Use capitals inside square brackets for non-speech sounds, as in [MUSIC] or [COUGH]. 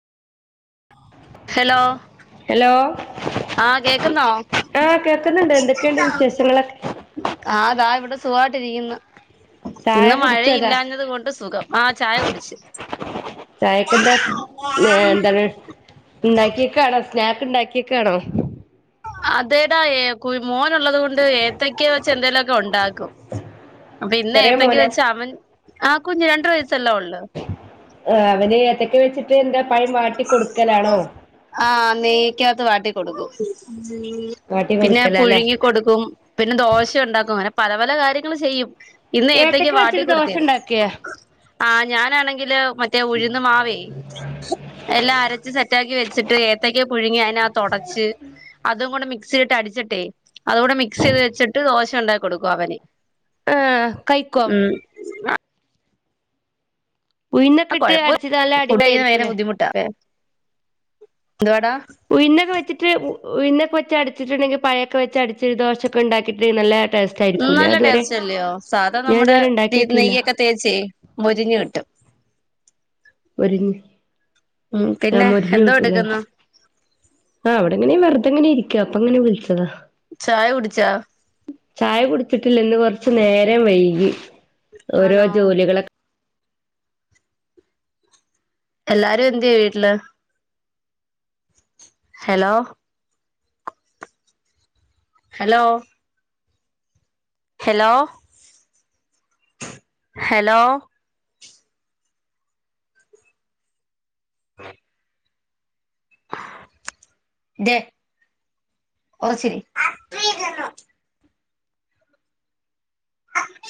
hello hello ആ കേക്കുന്നോ ആഹ് കേക്കുന്നുണ്ട് എന്തൊക്കെയുണ്ട് വിശേഷങ്ങളൊക്കെ ആഹ് താ ഇവിടെ സുഖായിട്ടിരിക്കുന്നു ചായ ഇന്ന് കുടിച്ചോ ചാ മഴയില്ലാഞ്ഞത് കൊണ്ട് സുഖം ആഹ് ചായ കുടിച്ച് ചായക്കെന്താ എന്താണ് ഉണ്ടാക്കിക്കാണ് സ്നാക്ക്‌ ണ്ടാക്കിക്ക ആണോ അതേടാ ഏ കു മോൻള്ളത് കൊണ്ട് ഏത്തക്ക വെച്ച് എന്തേലൊക്കെ ഉണ്ടാക്കും അപ്പൊ ഇന്ന് ചെറിയ ഏത്തക്ക് മോന വെച്ച് അവൻ ആ കുഞ്ഞു രണ്ടു വയസ്സെല്ലെ ഉള്ളു ആഹ് അവന് ഏത്തക്ക വെച്ചിട്ട് എന്താ പഴം വാട്ടി കൊടുക്കലാണോ ആഹ് നെയ്ക്കാത്ത് വാട്ടിക്കൊടുക്കും വാട്ടി പിന്നെ കൊടുക്കലല്ലേ പുഴുങ്ങി കൊടുക്കും പിന്നെ ദോശ ഉണ്ടാക്കും അങ്ങനെ പല പല കാര്യങ്ങള് ചെയ്യും ഇന്ന് ഏത്തക്ക വാട്ടി വെച്ചിട്ട് ദോശ കൊടുത്തേത് ഉണ്ടാക്കിയോ ആഹ് ഞാനാണെങ്കില് മറ്റേ ഉഴ്ന്ന് മാവേ എല്ലാ അര ച്ച് സെറ്റ്ആക്കി വെച്ചിട്ട് ഏത്തയ്ക്ക പുഴുങ്ങി അതിനാതൊടച്ച് അതും കൂടെ മിക്സി ഇട്ട് അടിച്ചിട്ടെ അതുകൂടെ മിക്സ് ചെയ്ത് വെച്ചിട്ട് ദോശ ഉണ്ടാക്കി കൊടുക്കും അവന് ആഹ് കൈ ക്കോം ങ ഉഴുന്നൊക്കെ ആഹ് ഇട്ട് കൊഴപ്പം അടിച്ചത് നല്ല ഫുഡ് അടിപൊളി കഴിക്കണ പയങ്കര ആയിരിക്കൂല്ലേ ബുദ്ധിമുട്ടാ ല്ലേ എന്തുവാടാ ഉയുന്നൊക്കെ വെച്ച്ട്ട് ഉഴ്ന്നൊക്കെവെച്ച് അടിച്ചിട്ടുണ്ടെങ്കിൽ പഴയൊക്കെവെച്ച് അടിച്ചി ദോശൊക്ക ഉണ്ടാക്കിയിട്ടെങ്കിൽ നല്ലെ ടേസ്റ്റ് ആയിക്കൂല്ലേ നല്ല അതുവരെ ടേസ്റ്റ് അല്ലയോ ഞാൻ ഇതുവരെ ഉണ്ടാക്കിനോക്കീല്ല പ്രത്യേകിച്ച് മുരിഞ്ഞ് കിട്ടും മുരിഞ്ഞ് ഉം ആഹ് പിന്നെ മുരിഞ്ഞ് എന്തോ കിട്ടുംല്ലേ എടുക്കുന്നു ആഹ് അവിടെ ഇങ്ങനെ വെറുതെങ്ങനെ ഇരിക്കുക അപ്പ ഇങ്ങനെ വിളിച്ചതാ ചായ കുടിച്ചാ ചായ കുടിച്ചിട്ടില്ല ല്ലോ കുറച്ച് നേരം വൈകി ഓരോ ആണോ ജോലികളൊക്കെ എല്ലാരും എന്തെ വീട്ടില് ഹലോ ഹലോ ഹലോ ഹലോ [INAUDIBLE] തെ ഒരു ചിരി